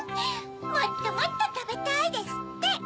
「もっともっとたべたい」ですって。